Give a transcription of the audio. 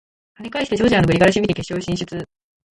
跳ね返してジョージアのグリガラシビリ決勝進出！